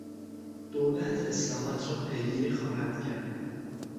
دولت اصلاحات را پیگیری خواهد کرد.